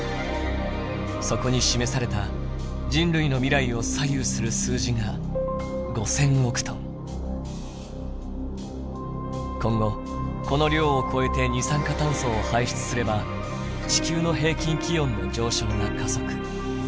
そこに示された人類の未来を左右する数字が今後この量を超えて二酸化炭素を排出すれば地球の平均気温の上昇が加速。